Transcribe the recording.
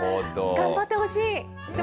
頑張ってほしい。